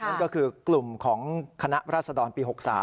นั่นก็คือกลุ่มของคณะราษฎรปี๖๓